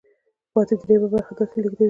پاتې درېیمه برخه داسې لیږدوي.